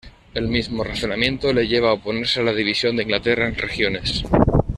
El mismo razonamiento le lleva a oponerse a la división de Inglaterra en regiones.